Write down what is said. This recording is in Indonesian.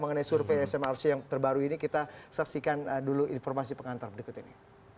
mengenai survei smrc yang terbaru ini kita saksikan dulu informasi pengantar berikut ini